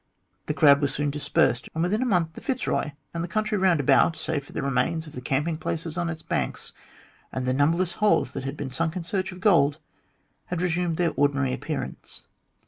The crowd was soon dispersed, and within a month the Fitzroy and the country round about save for the remains of the camping places on its banks, and the numberless holes that had been sunk in search of gold had resumed their ordinary appearance.